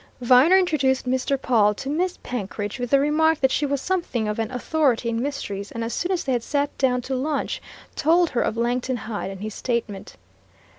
Viner introduced Mr. Pawle to Miss Penkridge with the remark that she was something of an authority in mysteries, and as soon as they had sat down to lunch, told her of Langton Hyde and his statement.